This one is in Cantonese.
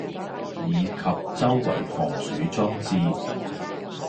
以及周圍防鼠裝置